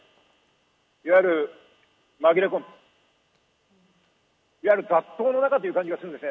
いわゆる紛れ込む、雑踏の中という感じがするんですね。